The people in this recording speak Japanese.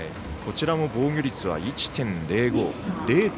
こちらも防御率は１．０５。